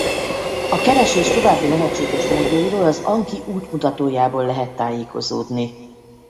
A keresés további lehetséges módjairól az Anki útmutatójából lehet tájékozódni.